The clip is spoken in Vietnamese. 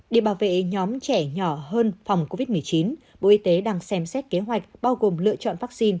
để bảo vệ nhóm trẻ nhỏ hơn phòng covid một mươi chín bộ y tế đang xem xét kế hoạch bao gồm lựa chọn vaccine